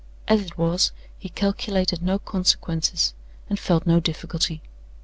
As it was, he calculated no consequences, and felt no difficulty.